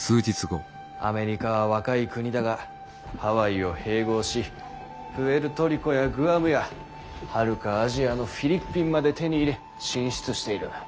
アメリカは若い国だがハワイを併合しプエルトリコやグアムやはるかアジアのフィリッピンまで手に入れ進出している。